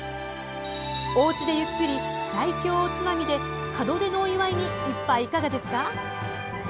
おうちでゆっくり最強おつまみで門出のお祝いに一杯いかがですか？